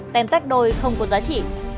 tem tách đôi không có giá trị